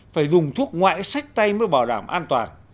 phải dùng thuốc ngoại sách tay mới bảo đảm an toàn